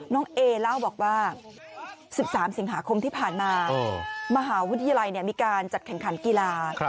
น้องเอเล่าบอกว่า๑๓สิงหาคมที่ผ่านมามหาวิทยาลัยมีการจัดแข่งขันกีฬา